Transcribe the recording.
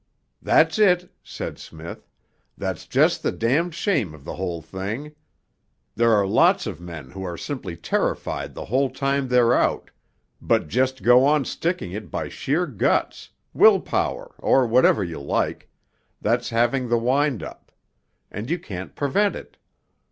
'That's it,' said Smith, 'that's just the damned shame of the whole thing. There are lots of men who are simply terrified the whole time they're out, but just go on sticking it by sheer guts will power, or whatever you like that's having the wind up, and you can't prevent it.